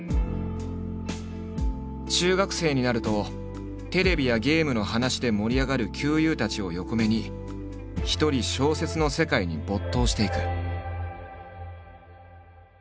中学生になるとテレビやゲームの話で盛り上がる級友たちを横目に一人小説の世界に没頭していく。